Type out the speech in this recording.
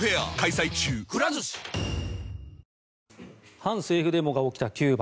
反政府デモが起きたキューバ。